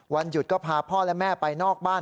วันหยุดก็พาพ่อและแม่ไปนอกบ้าน